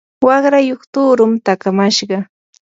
waqrayuq tuurun takamashqa.